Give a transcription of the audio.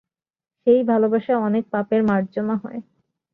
সেই ভালোবাসায় অনেক পাপের মার্জনা হয়।